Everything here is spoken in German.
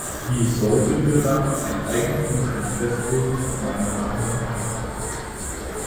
Wie sollten wir dann ein Eigentumsrecht festlegen, meine Damen und Herren?